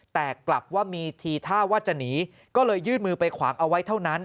แต่กลับว่ามีทีท่าว่าจะหนีก็เลยยื่นมือไปขวางเอาไว้เท่านั้น